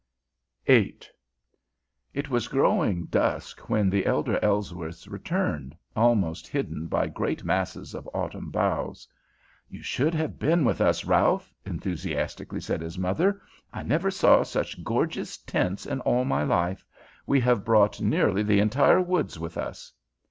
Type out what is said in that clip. VIII It was growing dusk when the elder Ellsworths returned, almost hidden by great masses of autumn boughs. "You should have been with us, Ralph," enthusiastically said his mother. "I never saw such gorgeous tints in all my life. We have brought nearly the entire woods with us."